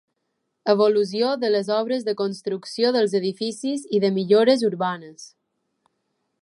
Evolució de les obres de construcció dels edificis i de millores urbanes.